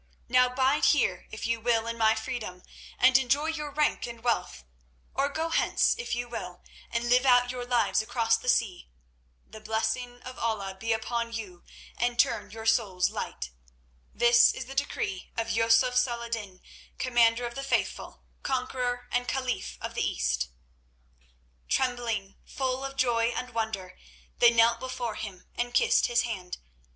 Now bide here if you will in my freedom, and enjoy your rank and wealth, or go hence if you will, and live out your lives across the sea. The blessing of Allah be upon you, and turn your souls light. This is the decree of Yusuf Salah ed din, Commander of the Faithful, Conqueror and Caliph of the East." Trembling, full of joy and wonder, they knelt before him and kissed his hand.